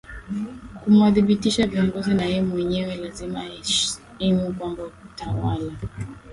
kumuadhibisha viongozi na yeye mwenyewe lazima ahesimu kwamba utawala